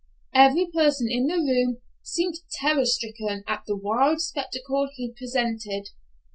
Every person in the room seemed terror stricken at the wild spectacle he presented.